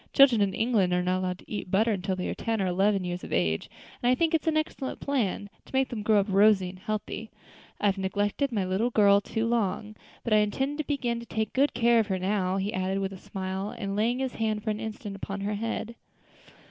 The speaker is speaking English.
Children in England are not allowed to eat butter until they are ten or eleven years of age, and I think it an excellent plan, to make them grow up rosy and healthy. I have neglected my little girl too long, but I intend to begin to take good care of her now," he added, with a smile, and laying his hand for an instant upon her head.